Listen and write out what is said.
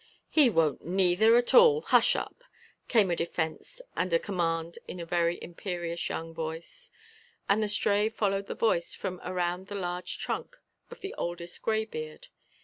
"He won't neither, at all. Hush up!" came a defense and a command in a very imperious young voice, and the Stray followed the voice from around the large trunk of the oldest graybeard.